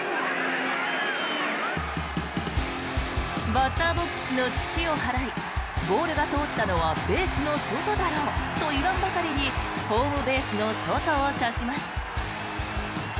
バッターボックスの土を払いボールが通ったのはベースの外だろうと言わんばかりにホームベースの外を指します。